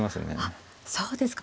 あっそうですか。